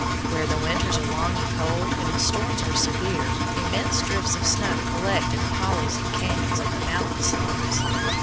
Where the winters are long and cold and the storms are severe, immense drifts of snow collect in the hollows and cañons of the mountain slopes.